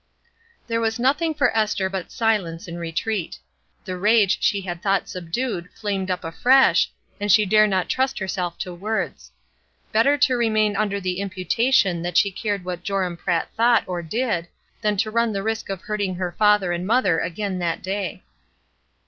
There was nothing for Esther but silence and retreat The rage she had thought subdued flamed up afresh, and she dare not trust herself to words. Better to remain under the imputa tion that she cared what Joram Pratt thought or did, than to run the risk of hurting her father and mother again that day.